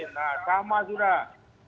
nah sama sudah